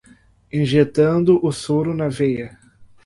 Injetando o soro na veia